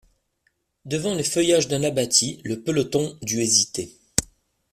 Devant les feuillages d'un abatis, le peloton dut hésiter.